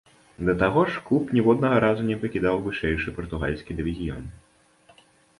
Да таго ж, клуб ніводнага разу не пакідаў вышэйшы партугальскі дывізіён.